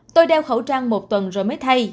tôi đeo khẩu trang một tuần rồi mới thay